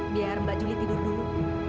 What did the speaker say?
biar mbak juli tidur dulu